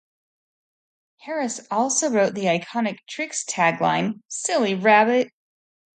Harris also wrote the iconic Trix tagline, Silly rabbit!